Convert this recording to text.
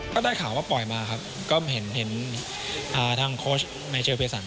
ก็ได้ข่าวว่าปล่อยมาครับก็เห็นเห็นอ่าทางโคชแมชลเพียสัน